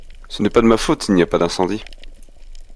Ce n’est pas ma faute s’il n’y a pas d’incendie !